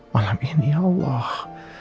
malam ini allah